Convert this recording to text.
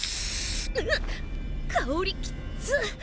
うっ香りきっつ。